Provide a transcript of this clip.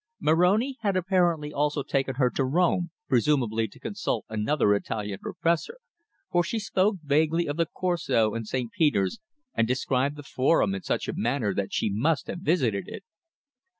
Moroni had apparently also taken her to Rome, presumably to consult another Italian professor, for she spoke vaguely of the Corso and St. Peter's and described the Forum in such a manner that she must have visited it.